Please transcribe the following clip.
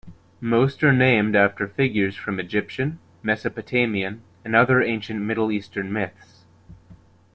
Most are named after figures from Egyptian, Mesopotamian, and other ancient Middle Eastern myths.